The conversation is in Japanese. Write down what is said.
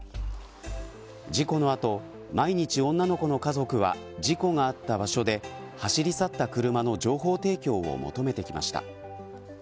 事故のあと毎日、女の子の家族は事故があった場所で走り去った車の情報提供を求めてきました。